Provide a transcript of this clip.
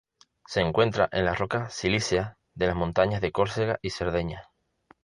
Se encuentra en las rocas silíceas de las montañas de Córcega y Cerdeña.